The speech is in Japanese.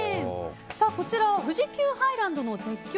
こちらは富士急ハイランドの絶叫